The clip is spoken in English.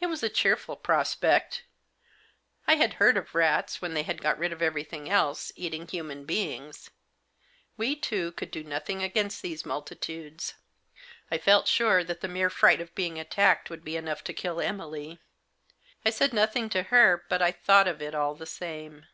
It was a cheerful prospect. I had heard of rats, when they had got rid of everything else, eating human beings. We two could do nothing against these multitudes ; I felt sure that the mere fright of being attacked would be enough to kill Emily. I said nothing to her, but I thought of it all the same.